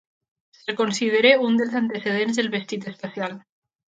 Se'l considera un dels antecedents del vestit espacial.